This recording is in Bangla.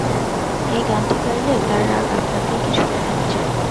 এই গানটি গাইলে তাঁর রাগ আপনাতেই কিছুটা নেমে যায়।